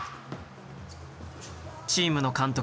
チームの監督